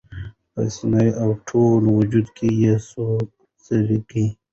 په سینه او ټول وجود کي یې سوې څړیکي